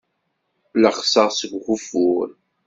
Llexseɣ seg ugeffur.